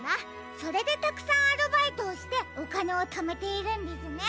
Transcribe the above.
それでたくさんアルバイトをしておかねをためているんですね。